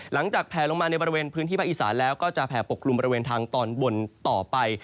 แผลลงมาในบริเวณพื้นที่ภาคอีสานแล้วก็จะแผ่ปกกลุ่มบริเวณทางตอนบนต่อไป